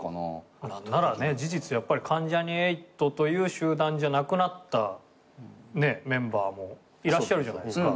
事実やっぱり関ジャニ∞という集団じゃなくなったメンバーもいらっしゃるじゃないですか。